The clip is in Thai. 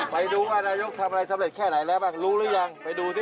ไปดูว่านายกทำอะไรสำเร็จแค่ไหนแล้วบ้างรู้หรือยังไปดูสิ